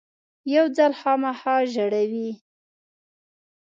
یو ځل خامخا ژړوي .